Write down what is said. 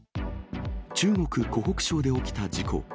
中国・湖北省で起きた事故。